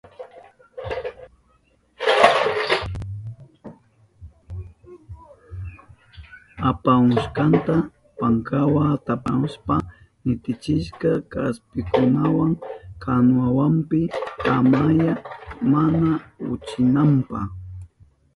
Apahushkanta pankawa tapashpan nitichishka kaspikunawa kanuwanpi, tamyaka mana ukuchinanpa.